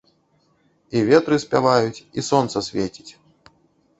І ветры спяваюць, і сонца свеціць.